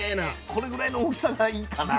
これぐらいの大きさがいいかな。